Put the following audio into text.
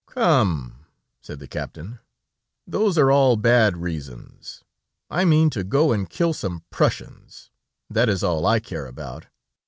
"Come," said the captain, "those are all bad reasons. I mean to go and kill some Prussians; that is all I care about.